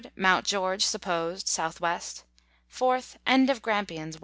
Mount George (supposed), S.W. 4th. End of Grampians, W.